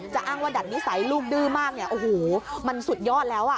จะอ้างว่าดัดนิสัยลูกดื้อมากโอ้โหมันสุดยอดแล้ว